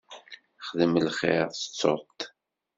Xdem lxir, tettuḍ-t.